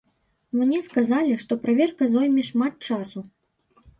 Мне сказалі, што праверка зойме шмат часу.